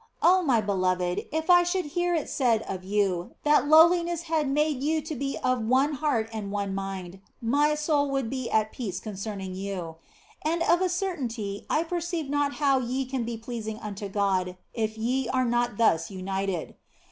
Oh my beloved, if I should hear it said of you that lowliness had made you to be of one heart and one mind, my soul would be at peace OF FOLIGNO 117 concerning you ! And of a certainty I perceive not how ye can be pleasing unto God if ye are not thus united.